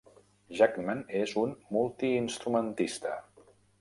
Jackman és un multi-instrumentista.